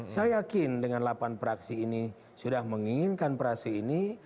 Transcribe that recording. saya yakin dengan delapan praksi ini sudah menginginkan praksi ini